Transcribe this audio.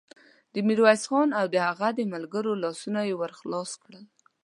د ميرويس خان او د هغه د ملګرو لاسونه يې ور خلاص کړل.